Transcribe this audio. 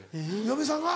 嫁さんが？